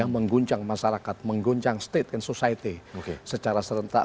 mengguncang masyarakat mengguncang state and society secara serentak